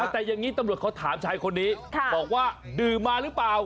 แต่อย่างนี้ตำรวจเขาถามชายคนนี้บอกว่าดื่มมาหรือเปล่า